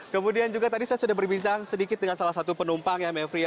kemudian juga tadi saya sudah berbincang sedikit dengan salah satu penumpang ya mevri